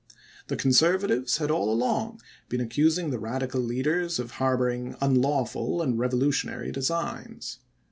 The Conservatives had all along been accusing the Radical leaders of harboring unlawful and revolutionary designs.